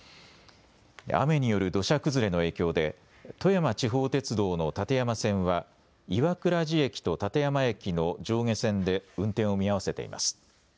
雨による土砂崩れの影響で富山地方鉄道の立山線は岩峅寺駅と立山駅の上下線で運転を見合わせています。